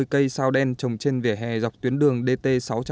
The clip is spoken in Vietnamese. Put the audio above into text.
một trăm năm mươi cây sao đen trồng trên vỉa hè dọc tuyến đường dt sáu trăm bốn mươi ba